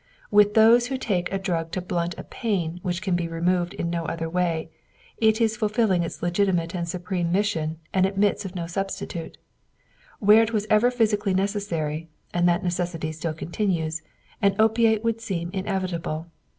With those who take a drug to blunt a pain which can be removed in no other way, it is fulfilling its legitimate and supreme mission and admits of no substitute. Where it was ever physically necessary, and that necessity still continues, an opiate would seem inevitable.